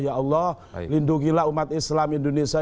ya allah lindungilah umat islam indonesia